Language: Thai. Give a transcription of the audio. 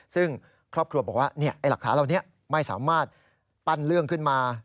ซึ่งครอบครัวบอกว่าหลักฐานเหล่านี้ไม่สามารถปั้นเรื่องขึ้นมา